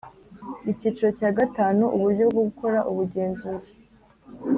Icyiciro cya gatanu Uburyo bwo gukora ubugenzuzi